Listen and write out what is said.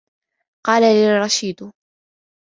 قَالَ لِي الرَّشِيدُ